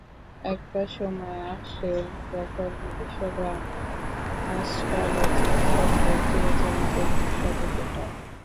একটা সময় আসে, যখন নিজস্ব গ্রাম, নস্টালজিক শহর, চিরচেনা পরিবেশ সবাইকে টানে।